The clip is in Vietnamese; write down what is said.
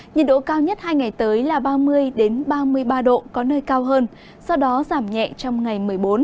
nhiệt độ cao nhất hai ngày tới là ba mươi ba mươi ba độ có nơi cao hơn sau đó giảm nhẹ trong ngày một mươi bốn